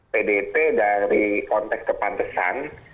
pdip dari konteks kepantesan